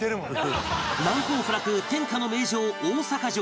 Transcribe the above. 難攻不落天下の名城大阪城